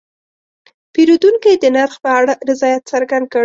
پیرودونکی د نرخ په اړه رضایت څرګند کړ.